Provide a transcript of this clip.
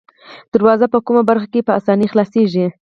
دروازه په کومه برخه کې په آسانۍ خلاصیږي؟